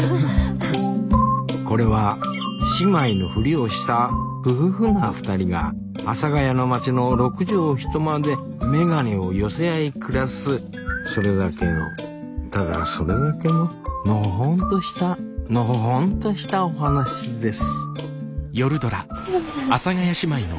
これは姉妹のフリをしたふふふな２人が阿佐ヶ谷の町の６畳一間で眼鏡を寄せ合い暮らすそれだけのただそれだけののほほんとしたのほほんとしたお話です